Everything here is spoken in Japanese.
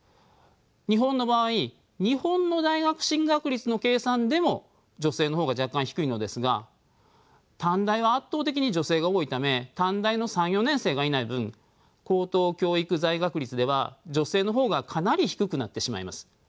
日本の場合日本の大学進学率の計算でも女性の方が若干低いのですが短大は圧倒的に女性が多いため短大の３４年生がいない分高等教育在学率では女性の方がかなり低くなってしまいます。